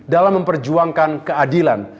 dalam memperjuangkan keadilan